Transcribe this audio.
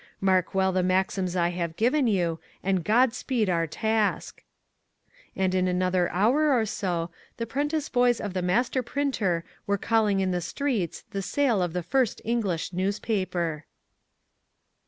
Mark well the maxims I have given you, and God speed our task." And in another hour or so, the prentice boys of the master printer were calling in the streets the sale of the first English newspaper.